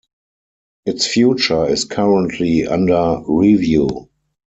Its future is currently under review.